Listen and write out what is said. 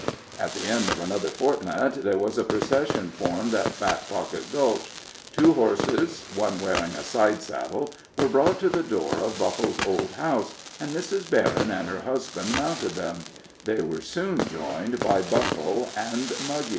At the end of another fortnight there was a procession formed at Fat Pocket Gulch; two horses, one wearing a side saddle, were brought to the door of Buffle's old house, and Mrs. Berryn and her husband mounted them; they were soon joined by Buffle and Muggy.